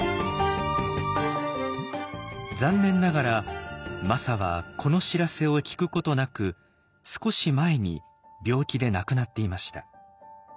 残念ながらマサはこの知らせを聞くことなく少し前に病気で亡くなっていました。